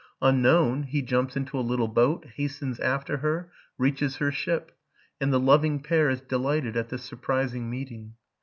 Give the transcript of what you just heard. Unknown, he juips into a little boat, hastens after her, reaches her ship; and the loving pair 1s delighted at this surprising meeting.